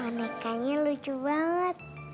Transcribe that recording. monekanya lucu banget